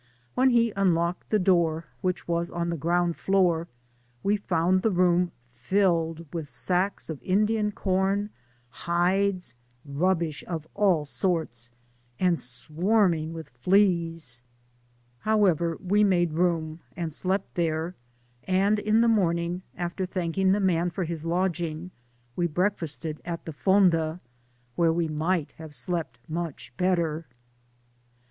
When he unlocked the door, which was on the ground floor, we found the room filled with sacks of Indian com, hides, rubbish of all sorts, and swarming with fleas ; however, we made room, and slept there, and in the morning, after thanking the man for his lodging, we breakfasted Digitized byGoogk 206 JOURNEY TO TBI GOLD MINE OF at the fonda, where we might have fitlept much lietter.